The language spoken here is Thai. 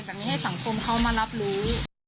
แต่ไม่ให้สังคมเขามารับรู้